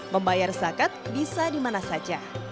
membayar zakat bisa dimana saja